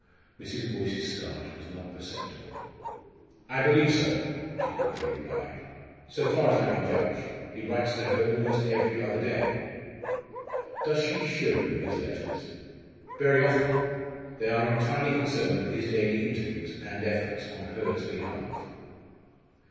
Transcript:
Mrs. Boyce's start was not perceptible. "I believe so," she quickly replied. "So far as I can judge, he writes to her almost every other day." "Does she show you his letters?" "Very often. They are entirely concerned with his daily interviews and efforts on Hurd's behalf."